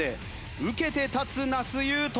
受けて立つ那須雄登！